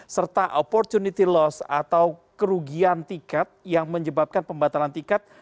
serta opportunity loss atau kerugian tiket yang menyebabkan pembatalan tiket